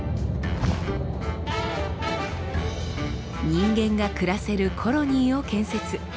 人間が暮らせるコロニーを建設。